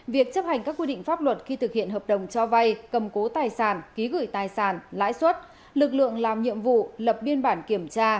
việc chấp hành các quy định pháp luật khi thực hiện hợp đồng cho vay cầm cố tài sản ký gửi tài sản lãi suất lực lượng làm nhiệm vụ lập biên bản kiểm tra